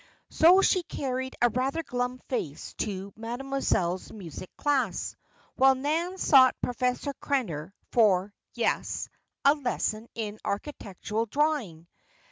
So she carried a rather glum face to Mademoiselle's music class, while Nan sought Professor Krenner for yes! a lesson in architectural drawing.